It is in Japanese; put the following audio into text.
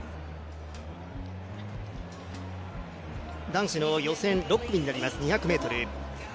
男子の予選６組になります、２００ｍ。